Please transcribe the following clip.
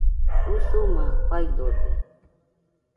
Usumana faidode